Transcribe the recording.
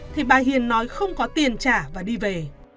thì bà hiền nói không có tiền trả và đi về